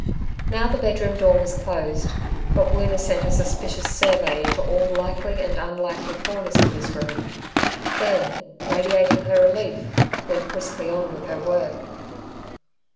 Now the bedroom door was closed, but Woona sent a suspicious survey into all likely and unlikely corners of this room; then, radiating her relief, went briskly on with her work.